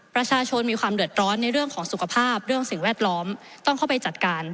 ประชาชนมีความเดือดร้อนในเรื่องของสุขภาพเรื่องสิ่งแวดล้อมต้องเข้าไปจัดการ